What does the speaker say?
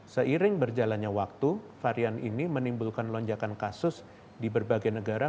seiring berjalannya waktu varian ini menimbulkan lonjakan kasus di berbagai negara